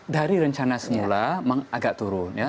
dari rencana semula agak turun ya